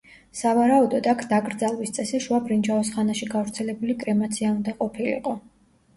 სავარაუდოდ, აქ დაკრძალვის წესი შუა ბრინჯაოს ხანაში გავრცელებული კრემაცია უნდა ყოფილიყო.